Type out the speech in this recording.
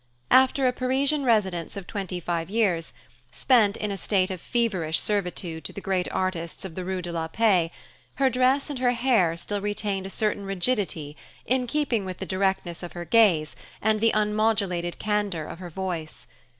After a Parisian residence of twenty five years, spent in a state of feverish servitude to the great artists of the rue de la Paix, her dress and hair still retained a certain rigidity in keeping with the directness of her gaze and the unmodulated candour of her voice.